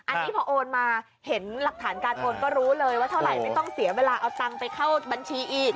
อันนี้พอโอนมาเห็นหลักฐานการโอนก็รู้เลยว่าเท่าไหร่ไม่ต้องเสียเวลาเอาตังค์ไปเข้าบัญชีอีก